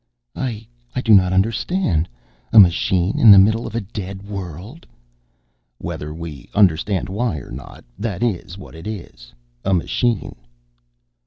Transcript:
"I do not understand. A machine in the middle of a dead world?" "Whether we understand why or not, that is what it is a machine."